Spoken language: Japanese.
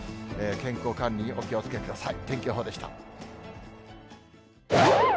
健康管理にお気をつけください。